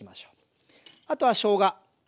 あとはしょうが。